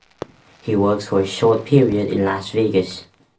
He worked for a short period in Las Vegas.